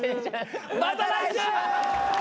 また来週！